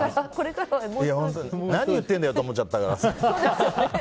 何を言ってるんだよと思っちゃったから。